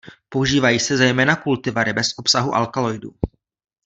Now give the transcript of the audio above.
Používají se zejména kultivary bez obsahu alkaloidů.